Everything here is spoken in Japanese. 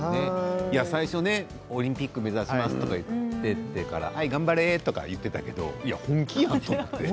最初オリンピック目指しますと言っていたから頑張れーと言っていたけれどもいや本気やなと。